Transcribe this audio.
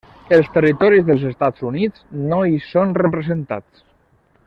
Els territoris dels Estats Units no hi són representats.